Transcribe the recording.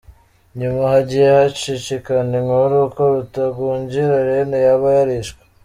Nyuma hagiye hacicikana inkuru ko Rutagungira Rene yaba yarishwe.